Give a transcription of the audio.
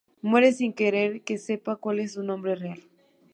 Muere sin que se sepa cuál es su nombre real.